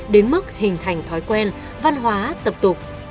đến mức hình thành thói quen văn hóa tập tục